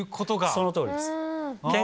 そのとおりです。